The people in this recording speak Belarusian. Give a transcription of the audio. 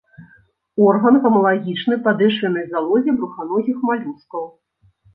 Орган гамалагічны падэшвеннай залозе бруханогіх малюскаў.